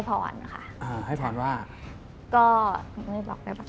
สุดท้าย